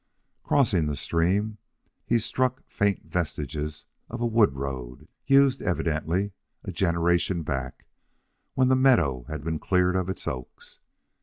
Crossing the stream, he struck faint vestiges of a wood road, used, evidently, a generation back, when the meadow had been cleared of its oaks.